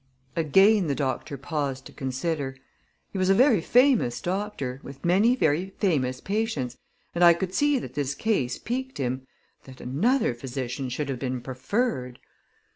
Again the doctor paused to consider. He was a very famous doctor, with many very famous patients, and I could see that this case piqued him that another physician should have been preferred!